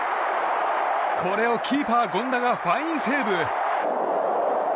これをキーパー、権田がファインセーブ。